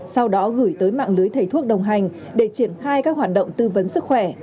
sau đó gửi tới mạng lưới thầy thuốc đồng hành để triển khai các hoạt động tư vấn sức khỏe